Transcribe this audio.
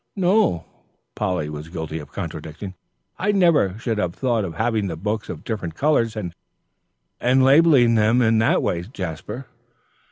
"No." Polly was guilty of contradicting. "I never should have thought of having the books of different colours and labelling them in that way, Jasper."